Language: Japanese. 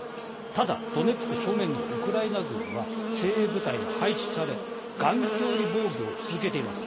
ただ、ドネツク正面のウクライナ軍は、精鋭部隊が配置され、頑強に防御を続けています。